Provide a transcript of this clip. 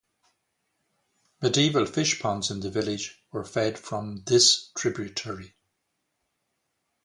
Medieval fish ponds in the village were fed from this tributary.